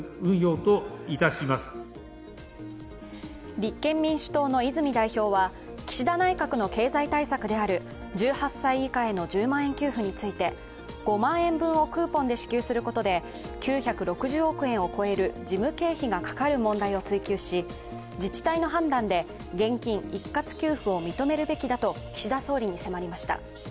立憲民主党の泉代表は岸田内閣の経済対策である１８歳以下への１０万円給付について、５万円分をクーポンで支給することで事務経費がかかる問題を追及し、自治体の判断で現金一括給付を認めるべきだと岸田総理に迫りました。